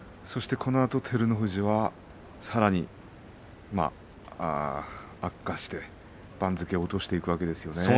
このあと照ノ富士はさらに悪化して番付を落としていくわけですよね。